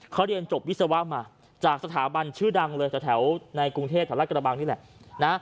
เขาเรียนจบวิศวะมาจากสถาบันชื่อดังเลยแถวในกรุงเทพแถวรัฐกระบังนี่แหละนะ